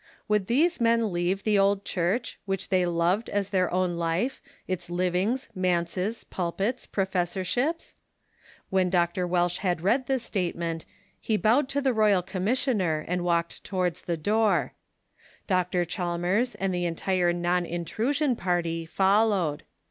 Would these men leave the old Church, which they loved as their own life, its livings, manses, pulpits, professor ships? When Dr. Welsh had read this statement he bowed to the royal commissioner and walked towards the door. Dr. Chalmers and the entire non intrusion party followed.